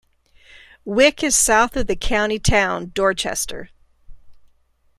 Wyke is south of the county town, Dorchester.